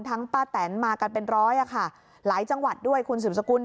ป้าแตนมากันเป็นร้อยอ่ะค่ะหลายจังหวัดด้วยคุณสืบสกุล